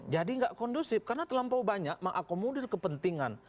jadi gak kondusif karena terlampau banyak mengakomodir kepentingan